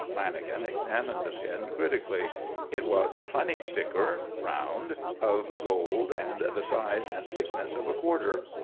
Lanagan examined the pin critically. It was a "funny sticker," round, of gold and the size and thickness of a quarter.